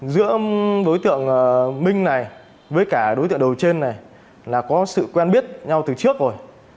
giữa đối tượng minh này với cả đối tượng đầu trên này là có sự quen biết nhau từ trước rồi